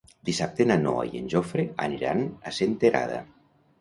Dissabte na Noa i en Jofre aniran a Senterada.